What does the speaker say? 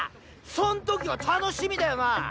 そん時が楽しみだよなあ！